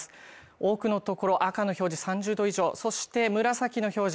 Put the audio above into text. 多くのところ赤の表示３０度以上、そして紫の表示